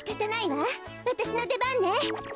わたしのでばんね。